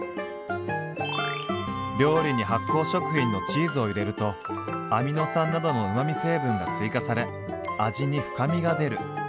「料理に発酵食品のチーズを入れるとアミノ酸などのうまみ成分が追加され味に深みが出る」。